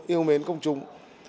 yêu mến công chúng